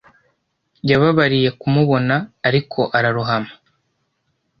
Yababariye kumubona ariko ararohama